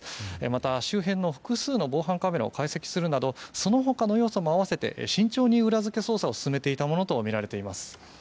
また、周辺の複数の防犯カメラを解析するなどその他の要素も合わせて慎重に裏付け捜査を進めていたものとみられています。